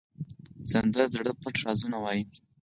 سندره د زړه پټ رازونه وایي